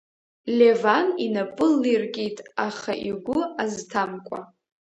Леван инапы лиркит, аха игәы азҭамкәа.